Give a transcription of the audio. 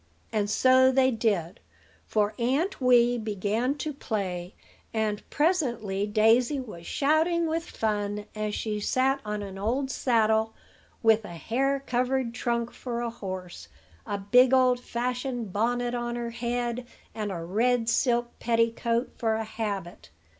And so they did: for Aunt Wee began to play; and presently Daisy was shouting with fun as she sat on an old saddle, with a hair covered trunk for a horse, a big old fashioned bonnet on her head, and a red silk petticoat for a habit.